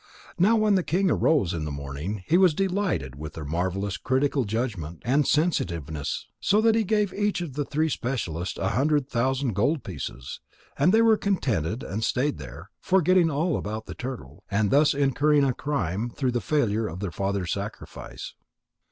Now when the king arose in the morning, he was delighted with their marvellous critical judgment and sensitiveness, so that he gave each of the three specialists a hundred thousand gold pieces. And they were contented and stayed there, forgetting all about the turtle, and thus incurring a crime through the failure of their father's sacrifice.